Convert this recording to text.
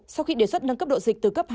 sau khi đề xuất nâng cấp độ dịch từ cấp hai